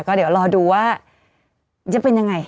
ก็เดี๋ยวรอดูว่าจะเป็นยังไง